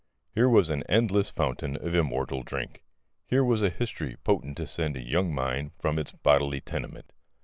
Here was an endless fountain of immortal drink: here was a history potent to send a young mind from its bodily tenement.